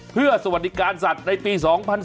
เพื่อสวัสดิการสัตว์ในปี๒๐๑๙